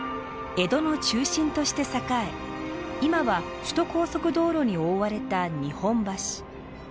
江戸の中心として栄え今は首都高速道路に覆われた日本橋。